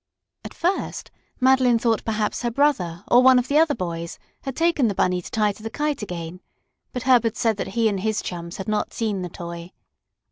At first Madeline thought perhaps her brother or one of the other boys had taken the Bunny to tie to the kite again, but Herbert said that he and his chums had not seen the toy.